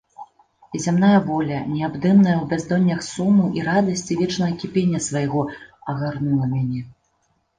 І зямная воля, неабдымная ў бяздоннях суму і радасці вечнага кіпення свайго, агарнула мяне.